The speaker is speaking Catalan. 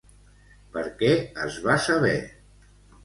Per què es va saber?